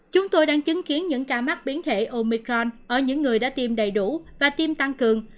chúng tôi đang chứng kiến những ca mắc biến thể omicron ở những người đã tiêm đầy đủ và tiêm tăng cường